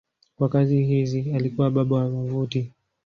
Kwa kazi hizi alikuwa baba wa wavuti.